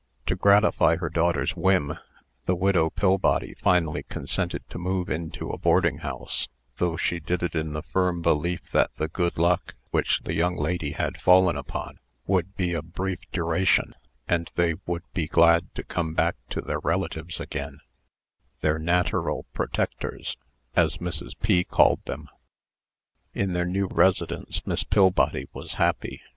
To gratify her daughter's whim, the widow Pillbody finally consented to move into a boarding house, though she did it in the firm belief that the good luck which the young lady had fallen upon would be of brief duration, and they would be glad to come back to their relatives again their "natteral protectors," as Mrs. P. called them. In their new residence, Miss Pillbody was happy.